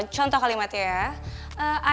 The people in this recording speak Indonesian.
contoh kalimatnya ya